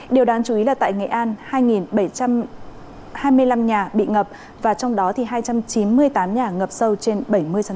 điều đáng chú ý là tại nghệ an hai bảy trăm hai mươi năm nhà bị ngập và trong đó thì hai trăm chín mươi tám nhà ngập sâu trên bảy mươi sáu